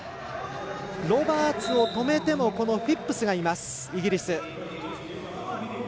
ロバーツを止めてもフィップスがいます、イギリス。